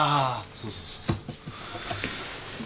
そうそうそうそう。